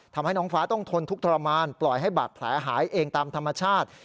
ทำให้น้องฟ้าต้องทนทุกข์ทรมานปล่อยให้บาดแผลหายเองตามธรรมชาติ